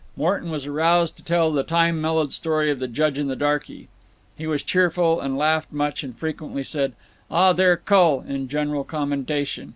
Morton was aroused to tell the time mellowed story of the judge and the darky. He was cheerful and laughed much and frequently said "Ah there, cull!" in general commendation.